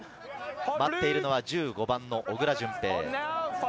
待っているのは１５番の小倉順平。